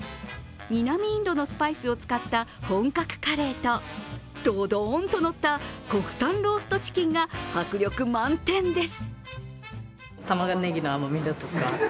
南インドのスパイスを使った本格カレーとどどーんとのった国産ローストチキンが迫力満点です。